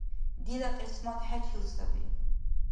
ДИЛА КЬИСМАТ ХӏЕЧИЛ САБИ